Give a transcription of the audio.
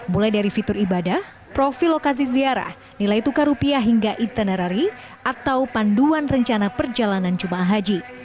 mulai dari fitur ibadah profil lokasi ziarah nilai tukar rupiah hingga itinerari atau panduan rencana perjalanan jum'ah haji